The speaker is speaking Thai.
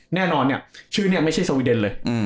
แน่นอนเนี่ยชื่อนี้ไม่ใช่สวีเดนเลย